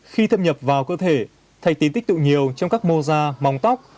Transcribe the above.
khi thâm nhập vào cơ thể thạch tín tích tụ nhiều trong các mô da móng tóc